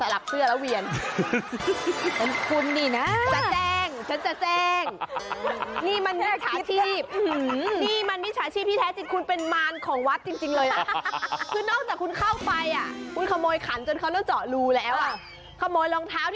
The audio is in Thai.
เนี่ยทำไมวัดเขาไม่ติดป้ายหน้าคุณแล้วกับบาท